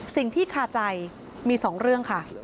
สิ่งที่ขาใจมีสองเรื่องค่ะ